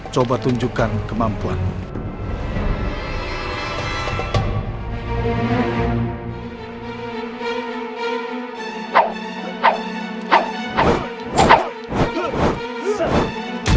coba tunjukkan kemampuanmu